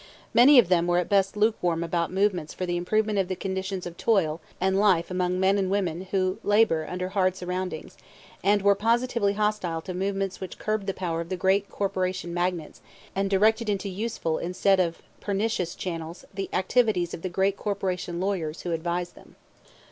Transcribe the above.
Many of them were at best lukewarm about movements for the improvement of the conditions of toil and life among men and women who labor under hard surroundings, and were positively hostile to movements which curbed the power of the great corporation magnates and directed into useful instead of pernicious channels the activities of the great corporation lawyers who advised them.